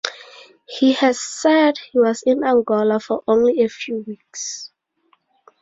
He has said he was in Angola for only a few weeks.